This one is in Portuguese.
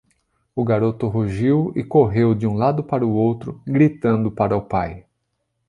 O garoto rugiu e correu de um lugar para outro, gritando para o pai.